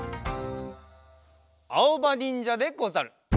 あおばにんじゃでござる！